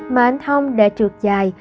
mà anh hồng đã trượt dài